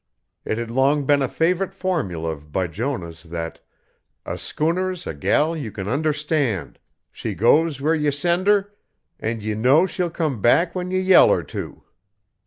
It had long been a favorite formula of Bijonah's that "A schooner's a gal you can understand. She goes where ye send her, an' ye know she'll come back when ye tell her to.